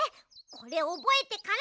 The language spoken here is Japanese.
これおぼえてから！